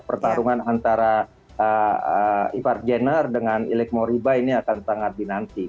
pertarungan antara ivar jenner dengan ileg moriba ini akan sangat dinansi